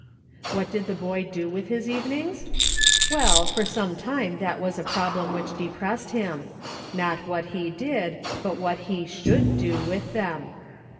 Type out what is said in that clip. What did the boy do with his evenings ? Well, for some time that was a problem which depressed him ; not what he did, but what he should do with them.